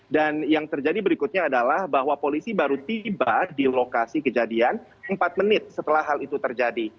dan yang terjadi berikutnya adalah bahwa polisi baru tiba di lokasi kejadian empat menit setelah hal itu terjadi